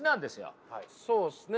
そうですね。